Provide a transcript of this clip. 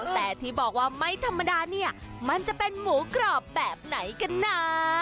แต่ที่บอกว่าไม่ธรรมดาเนี่ยมันจะเป็นหมูกรอบแบบไหนกันนะ